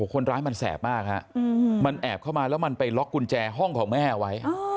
คนร้ายมันแสบมากฮะมันแอบเข้ามาแล้วมันไปล็อกกุญแจห้องของแม่เอาไว้